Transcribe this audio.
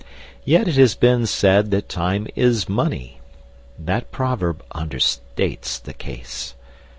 Yet it has been said that time is money. That proverb understates the case.